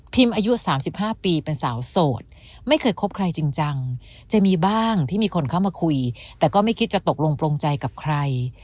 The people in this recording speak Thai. อายุ๓๕ปีเป็นสาวโสดไม่เคยคบใครจริงจังจะมีบ้างที่มีคนเข้ามาคุยแต่ก็ไม่คิดจะตกลงโปรงใจกับใคร